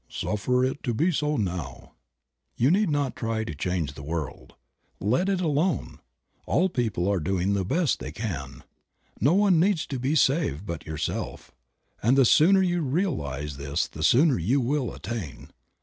"Suffer it to be so now." You need not try to change the world. Let it alone; all people are doing the best they can. No one needs to be saved but yourself, and the sooner you realize this the sooner you will attain.